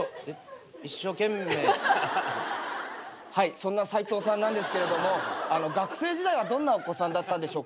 そんなサイトウさんなんですけれども学生時代はどんなお子さんだったんでしょうか。